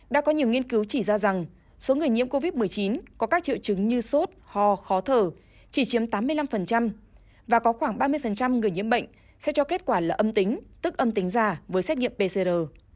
đã có nhiều nghiên cứu chỉ ra rằng số người nhiễm covid một mươi chín có các triệu chứng như sốt ho khó thở chỉ chiếm tám mươi năm và có khoảng ba mươi người nhiễm bệnh sẽ cho kết quả là âm tính tức âm tính già với xét nghiệm pcr